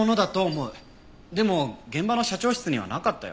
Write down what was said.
でも現場の社長室にはなかったよ。